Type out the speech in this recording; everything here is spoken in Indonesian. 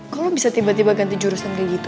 kok lo bisa tiba tiba ganti jurusan kayak gitu